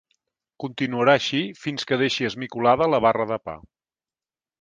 Continuarà així fins que deixi esmicolada la barra de pa.